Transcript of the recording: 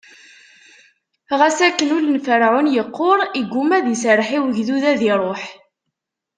Ɣas akken, ul n Ferɛun iqqur, iggumma ad iserreḥ i ugdud ad iṛuḥ.